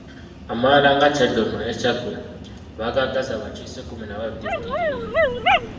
Amalala nga Kyaddondo ne Kyaggwe bagaagaza abakiise kkumi na babiri buli limu